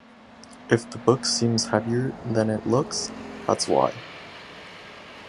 If the book seems heavier than it looks, that's why.